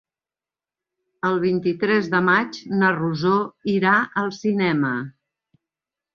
El vint-i-tres de maig na Rosó irà al cinema.